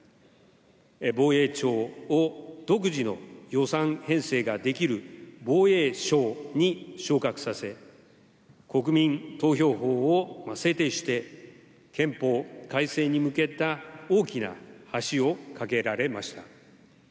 防衛庁を独自の予算編成ができる防衛省に昇格させ、国民投票法を制定して、憲法改正に向けた大きな橋をかけられました。